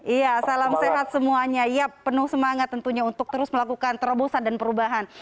iya salam sehat semuanya ya penuh semangat tentunya untuk terus melakukan terobosan dan perubahan